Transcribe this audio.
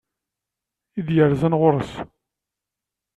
I d-yerzan ɣur-s.